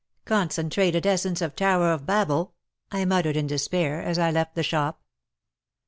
Concentrated essence of Tower of Babel," I muttered in despair as I left the shop.